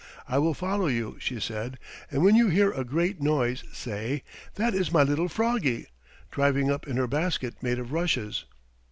"I will follow you," she said, "and when you hear a great noise, say, 'That is my little Froggie, driving up in her basket made of rushes.'"